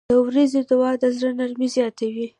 • د ورځې دعا د زړه نرمي زیاتوي.